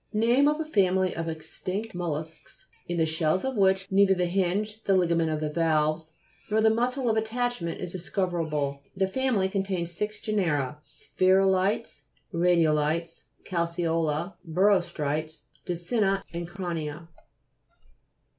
Name of a family of extinct mollusks in the shells of which neither the hinge, the ligament of the valves, nor the muscle of attachment is discover able. The family contains six genera : Spherulite.s, Radiolites, Calceola, Birostrites, Distinct, and Crania.